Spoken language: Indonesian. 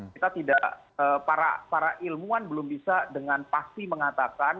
kita tidak para ilmuwan belum bisa dengan pasti mengatakan